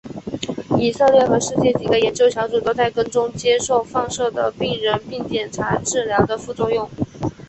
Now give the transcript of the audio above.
以色列和世界几个研究小组都在跟踪接受放射的病人并检查治疗的副作用。